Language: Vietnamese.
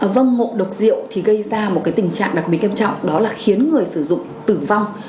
vâng ngộ độc rượu thì gây ra một tình trạng đặc biệt nghiêm trọng đó là khiến người sử dụng tử vong